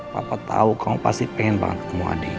papa tau kamu pasti pengen banget ketemu adi